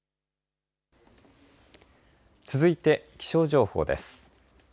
続いて気象情報です。